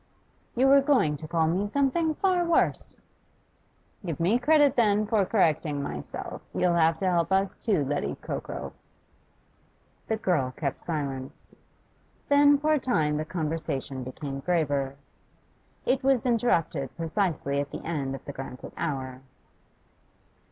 'You were going to call me something far worse.' 'Give me credit, then, for correcting myself. You'll have to help us, Lettycoco.' The girl kept silence. Then for a time the conversation became graver. It was interrupted precisely at the end of the granted hour.